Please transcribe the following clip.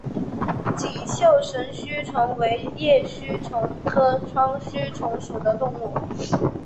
锦绣神须虫为叶须虫科双须虫属的动物。